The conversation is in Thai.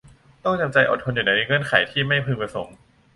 ต้องจำใจอดทนอยู่ในเงื่อนไขที่ไม่พึงประสงค์